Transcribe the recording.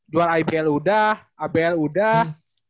jual ibl udah ibl udah